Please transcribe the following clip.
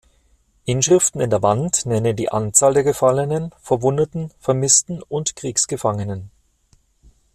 Inschriften in der Wand nennen die Anzahl der Gefallenen, Verwundeten, Vermissten und Kriegsgefangenen.